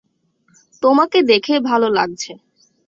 তোমাকে দেখে ভালো লাগছে।